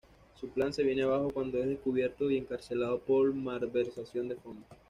Su plan se viene abajo cuando es descubierto y encarcelado por malversación de fondos.